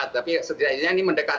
tapi setidaknya ini mendekatkan